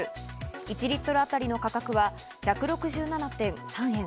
１リットル当たりの価格は１６７．３円。